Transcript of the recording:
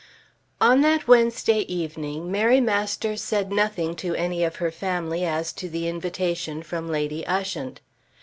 On that Wednesday evening Mary Masters said nothing to any of her family as to the invitation from Lady Ushant.